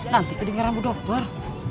nanti kedingin rambut dokter